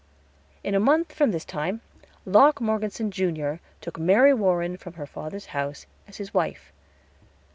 In a month from this time, Locke Morgeson, Jr., took Mary Warren from her father's house as his wife.